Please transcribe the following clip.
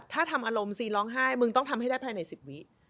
ถ้าทำอารมณ์ซีร้องไห้มึงต้องทำให้ได้ภายใน๑๐วิ